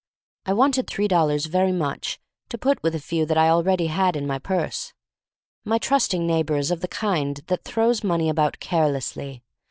I wanted three dol lars very much, to put with a few that I already had in my purse. My trusting neighbor is of the kind that throws money about carelessly.